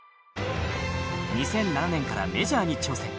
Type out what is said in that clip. ２００７年からメジャーに挑戦。